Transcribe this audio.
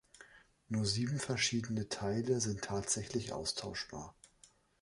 Nur sieben verschiedene Teile sind tatsächlich austauschbar.